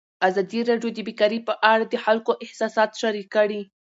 ازادي راډیو د بیکاري په اړه د خلکو احساسات شریک کړي.